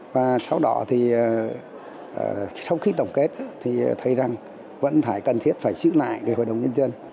và sau đó thì sau khi tổng kết thì thấy rằng vẫn phải cần thiết phải giữ lại cái hội đồng nhân dân